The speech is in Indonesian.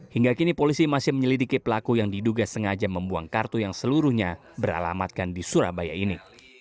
hingga kini polisi masih menyelidiki pelaku yang diduga sengaja membuang kartu yang seluruhnya beralamatkan di surabaya ini